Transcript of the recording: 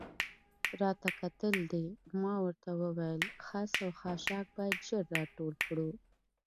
راته کتل دې؟ ما ورته وویل: خس او خاشاک باید ژر را ټول کړو.